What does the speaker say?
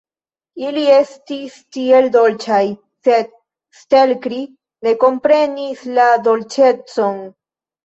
Ili estis tiel dolĉaj, sed Stelkri ne komprenis la dolĉecon.